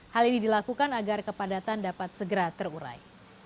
hal ini dilakukan agar kepadatan dapat segera terurai